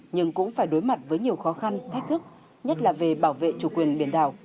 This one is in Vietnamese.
nhưng cũng phải đối mặt với nhiều khó khăn thách thức nhất là về bảo vệ chủ quyền biển đảo